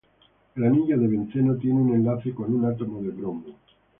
El anillo de benceno tiene un enlace con un átomo de bromo.